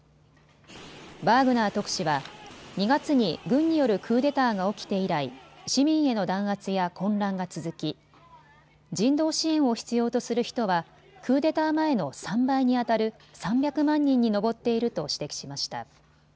バーグナー特使は２月に軍によるクーデターが起きて以来、市民への弾圧や混乱が続き人道支援を必要とする人はクーデター前の３倍にあたる３００万人に上っていると指摘しました。